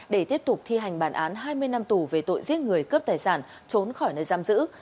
để tiếp tục thi hành bản án hai mươi năm tù về tội giết người cướp tài sản trốn khỏi nơi giam giữ